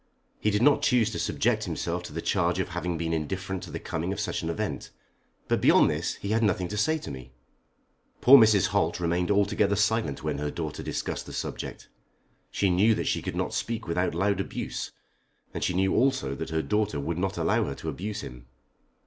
He did not choose to subject himself to the charge of having been indifferent to the coming of such an event. But beyond this he had nothing to say to me." Poor Mrs. Holt remained altogether silent when her daughter discussed the subject. She knew that she could not speak without loud abuse, and she knew also that her daughter would not allow her to abuse him.